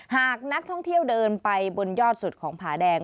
หากนักท่องเที่ยวเดินไปบนยอดสุดของผาแดง